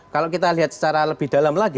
kalau kita lihat secara lebih dalam lagi